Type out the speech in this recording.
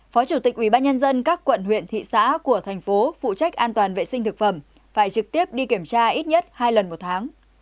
phó chủ tịch ubnd các quận huyện thị xã của thành phố phụ trách an toàn vệ sinh thực phẩm phải trực tiếp đi kiểm tra ít nhất hai lần một tháng